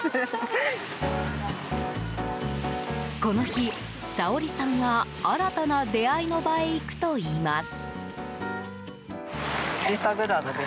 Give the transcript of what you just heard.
この日、サオリさんは新たな出会いの場へ行くといいます。